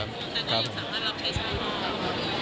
แต่นั่นยังสามารถรับชายชาติได้ครับ